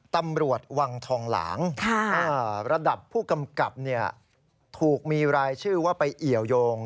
ตำรวจวังทองหลางระดับผู้กำกับถูกมีรายชื่อว่าไปเอี่ยวยง